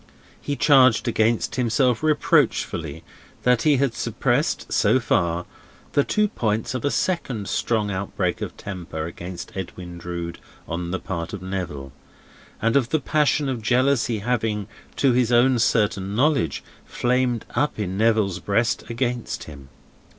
He charged against himself reproachfully that he had suppressed, so far, the two points of a second strong outbreak of temper against Edwin Drood on the part of Neville, and of the passion of jealousy having, to his own certain knowledge, flamed up in Neville's breast against him.